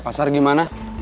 cuma balik lagi ke rumah